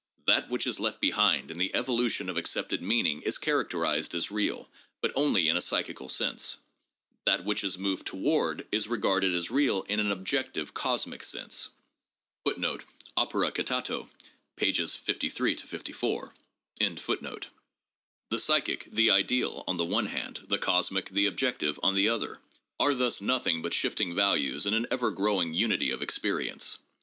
That which is left behind in the evolution of accepted mean ing is characterized as real, but only in a psychical sense ; that which is moved toward is regarded as real in an objective, cosmic sense." 3 The psychic, the ideal, on the one hand, the cosmic, the objective, on the other, are thus nothing but shifting values in the ever grow ing unity of experience.